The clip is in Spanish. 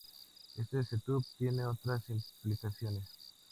Este setup tiene otras implicaciones.